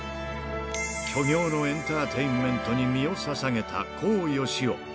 虚業のエンターテインメントに身をささげた康芳夫。